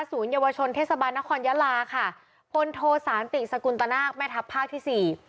เยาวชนเทศบาลนครยาลาค่ะพลโทสานติสกุลตนาคแม่ทัพภาคที่สี่